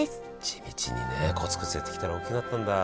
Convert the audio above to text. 地道にねコツコツやってきたら大きくなったんだ。